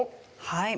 はい。